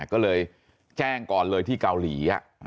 ก็เลยแจ้งก่อนเลยที่เกาหลี